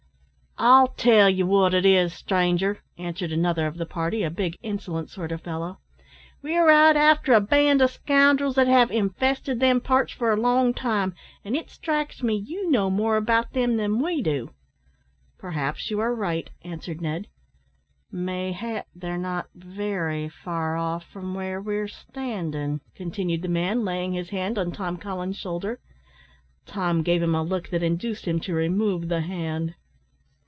"I'll tell ye wot it is, stranger," answered another of the party a big, insolent sort of fellow "we're out after a band o' scoundrels that have infested them parts for a long time, an' it strikes me you know more about them than we do." "Perhaps you are right," answered Ned. "Mayhap they're not very, far off from where we're standin'," continued the man, laying his hand on Tom Collins's shoulder. Tom gave him a look that induced him to remove the hand.